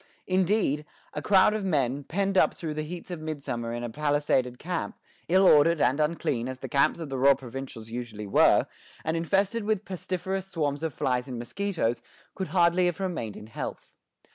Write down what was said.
Indeed, a crowd of men, penned up through the heats of midsummer in a palisaded camp, ill ordered and unclean as the camps of the raw provincials usually were, and infested with pestiferous swarms of flies and mosquitoes, could hardly have remained in health.